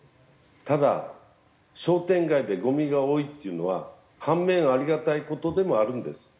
ただ商店街でごみが多いっていうのは反面ありがたい事でもあるんです。